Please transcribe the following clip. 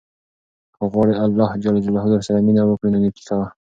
که غواړې اللهﷻ درسره مینه وکړي نو نېکي کوه.